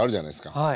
はい。